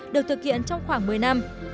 được thực hiện trong khoảng một mươi năm